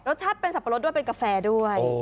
ชัดเป็นสับปะรดด้วยเป็นกาแฟด้วย